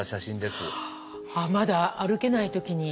まだ歩けない時に？